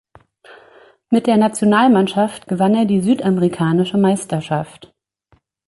Mit der Nationalmannschaft gewann er die Südamerikanische Meisterschaft.